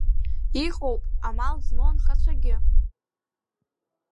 Иҟоуп амал змоу анхацәагьы.